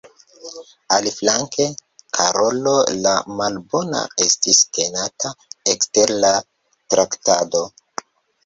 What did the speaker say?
Aliflanke, Karolo la Malbona estis tenata ekster la traktado.